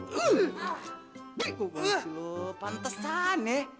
gue gak sih lo pantesan ya